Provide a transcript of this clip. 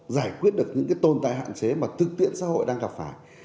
giải quyết được những tồn tại hạn chế mà thực tiễn xã hội đang gặp phải